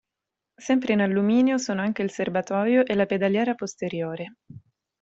Sempre in alluminio sono anche il serbatoio e la pedaliera posteriore.